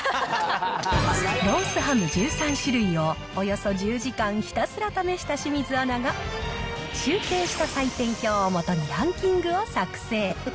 ロースハム１３種類を、およそ１０時間、ひたすら試した清水アナが、集計した採点表を基に、ランキングを作成。